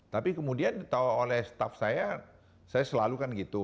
tapi kemudian ditawa oleh staff saya saya selalu kan gitu